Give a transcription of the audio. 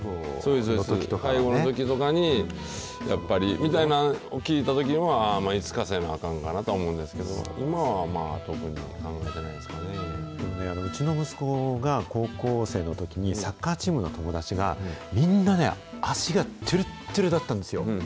介護のときとかに、やっぱりみたいなのを聞いたとき、ああ、いつかせなあかんかなと思うんですけど、まあまあ特に考えてないうちの息子が高校生のときに、サッカーチームの友達が、みんなね、足がとぅるっとぅるだったんですよ。